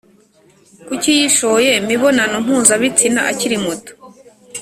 kuki yishoye mibonano mpuzabitsina akiri muto?